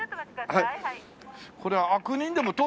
はい。